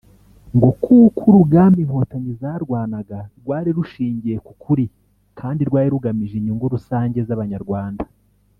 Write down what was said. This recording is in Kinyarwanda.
ngo kuko urugamba inkotanyi zarwanaga rwari rushingiye ku kuri kandi rwari rugamije inyungu rusange z’Abanyarwanda